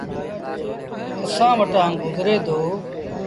اسآݩ وٽآ گزري دو۔